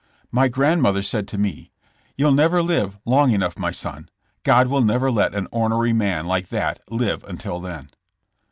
My grandmother said to me :'' You Tl never live long enough my son; God will never let an onery man like that live until then."